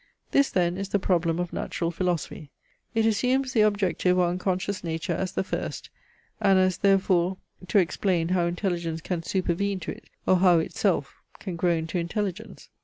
This then is the problem of natural philosophy. It assumes the objective or unconscious nature as the first, and as therefore to explain how intelligence can supervene to it, or how itself can grow into intelligence.